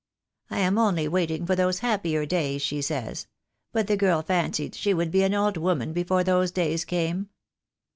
'I am only waiting for those happier days,' she says; but the girl fancied she would be an old woman before those days came."